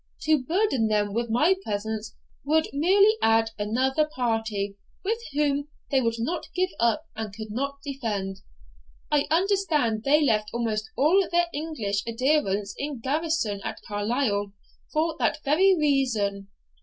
To burden them with my presence would merely add another party, whom they would not give up and could not defend. I understand they left almost all their English adherents in garrison at Carlisle, for that very reason.